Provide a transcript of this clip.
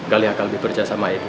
gali akan lebih berjaya sama ibu